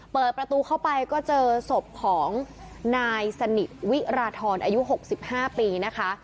เปิดประตูเข้าไปก็เจอศพของนายสนิทวิราทรอายุ๖๕ปีนะคะ